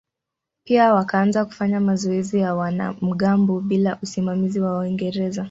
Pia wakaanza kufanya mazoezi ya wanamgambo bila usimamizi wa Waingereza.